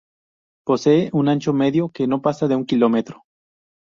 Posee un ancho medio que no pasa de un kilómetro.